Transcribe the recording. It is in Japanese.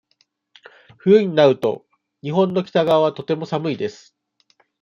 冬になると、日本の北側はとても寒いです。